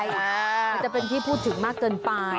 มันจะเป็นที่พูดถึงมากเกินไป